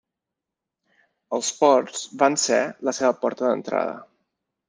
Els ports vans er la seva porta d'entrada.